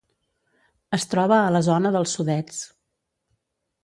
Es troba a la zona dels Sudets.